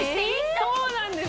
そうなんです